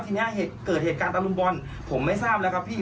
ทีนี้เกิดเหตุการณ์ตะลุมบอลผมไม่ทราบแล้วครับพี่